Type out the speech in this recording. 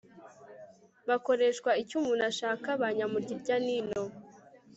bakoreshwa icyo umuntu ashaka ba nyamujyiryanino